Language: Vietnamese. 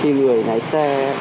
khi người lái xe